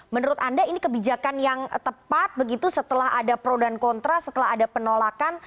menurut anda ini kebijakan yang tepat begitu setelah ada pro dan kontra setelah ada penolakan